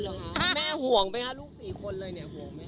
เอาเหรอคะคุณแม่ห่วงไปค่ะลูกสี่คนเลยห่วงไหม